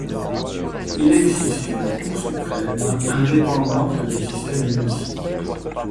Il existe une Cour Suprême, indépendante du système judiciaire.